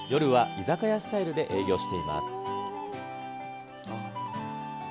夜は居酒屋スタイルで営業しています。